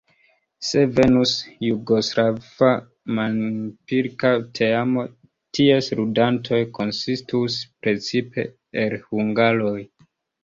Se venus jugoslava manpilka teamo, ties ludantoj konsistus precipe el hungaroj.